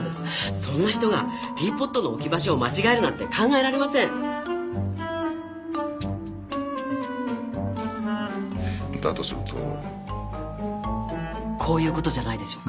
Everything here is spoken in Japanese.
そんな人がティーポットの置き場所を間違えるなんて考えられませんだとするとこういうことじゃないでしょうか